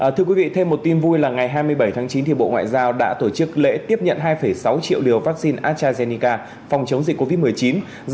thưa quý vị thêm một tin vui là ngày hai mươi bảy tháng chín thì bộ ngoại giao đã tổ chức lễ tiếp nhận hai sáu triệu liều vaccine astrazeneca phòng chống dịch covid một mươi chín